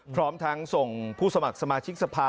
พร้อมทั้งส่งผู้สมัครสมาชิกสภา